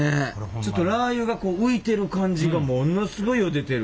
ちょっとラー油がこう浮いてる感じがものすごいよう出てる。